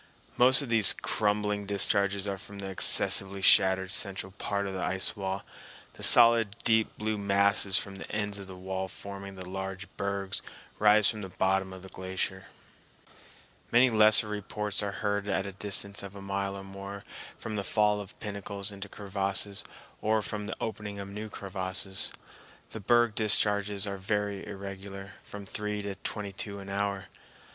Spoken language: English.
Most of these crumbling discharges are from the excessively shattered central part of the ice wall; the solid deep blue masses from the ends of the wall forming the large bergs rise from the bottom of the glacier. Many lesser reports are heard at a distance of a mile or more from the fall of pinnacles into crevasses or from the opening of new crevasses. The berg discharges are very irregular, from three to twenty two an hour.